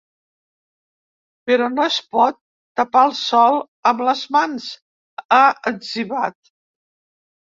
“Però no es pot tapar el sol amb les mans”, ha etzibat.